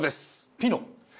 ピノ？